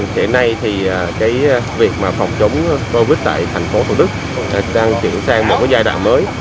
kể nay thì việc phòng chống covid tại tp thủ đức đang chuyển sang một giai đoạn mới